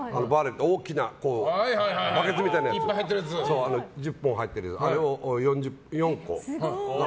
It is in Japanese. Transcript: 大きなバケツみたいなやつ１０本入ってるやつを４個。